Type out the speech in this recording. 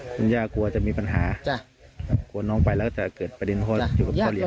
คุณย่ากลัวจะมีปัญหากลัวน้องไปแล้วจะเกิดประเด็นเพราะอยู่กับพ่อเลี้ย